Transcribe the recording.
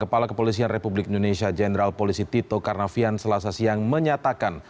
kepala kepolisian republik indonesia jenderal polisi tito karnavian selasa siang menyatakan